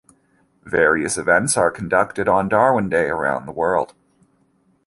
Various events are conducted on Darwin Day around the world.